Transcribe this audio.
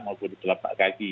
mampu di kelapa kaki